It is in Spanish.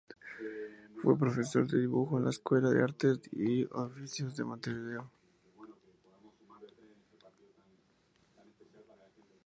Fue profesor de dibujo en la Escuela de Artes y Oficios de Montevideo.